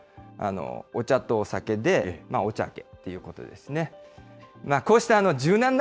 お茶とお酒で、おおちゃけということですね。